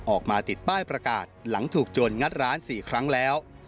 ออกมาติดป้ายประกาศหลังถูกโจรงัดร้าน๔ครั้งแล้ว